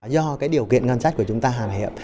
do cái điều kiện ngân sách của chúng ta hàn hiệp